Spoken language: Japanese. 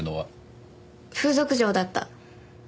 風俗嬢だった。